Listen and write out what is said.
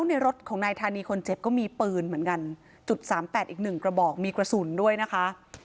ในรถของนายธานีคนเจ็บก็มีปืนเหมือนกัน๐๓๘อีก๑กระบอกมีกระสุนด้วยนะคะ